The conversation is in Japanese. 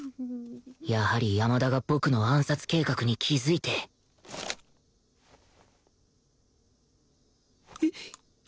やはり山田が僕の暗殺計画に気づいてえっ？